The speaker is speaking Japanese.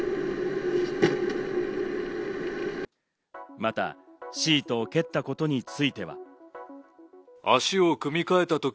また、シートを蹴ったことについては。